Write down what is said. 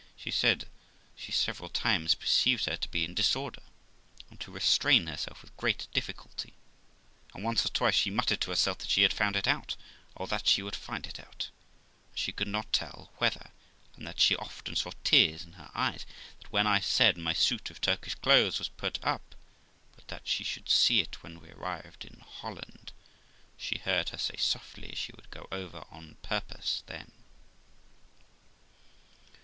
She said she several times perceived her to be in disorder, and to restrain herself with great difficulty; and once or twice she muttered to herself that she had found it out, or that she would find it out, she could not tell whether : and that she often saw tears in her eyes; that when I said my suit of Turkish clothes was 368 THE LIFE OF ROXANA put up, but that she should see it when we arrived in Holland, she heard her say softly she would go over on purpose then.